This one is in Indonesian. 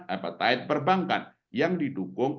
appetite perbankan yang didukung